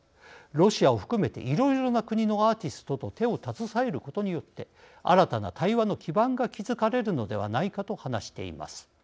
ロシアを含めていろいろな国のアーティストと手を携えることによって新たな対話の基盤が築かれるのではないか」と話しています。